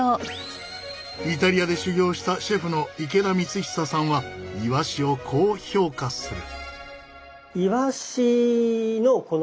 イタリアで修業したシェフの池田光寿さんはイワシをこう評価する。